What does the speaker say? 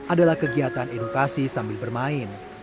adalah kegiatan edukasi sambil bermain